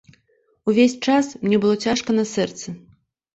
Увесь час мне было цяжка на сэрцы.